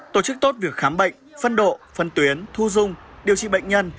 tổ chức tốt việc khám bệnh phân độ phân tuyến thu dung điều trị bệnh nhân